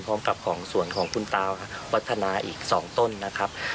ของสวนของคุณตาวัฒนาอีก๒ต้นนะครับ